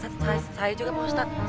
saya juga pak ustadz